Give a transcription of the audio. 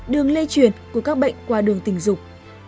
đường lây truyền của các bệnh qua đường tình dục